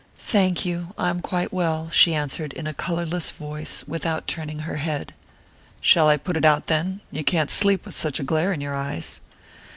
"Thank you I am quite well," she answered in a colourless voice, without turning her head. "Shall I put it out, then? You can't sleep with such a glare in your eyes."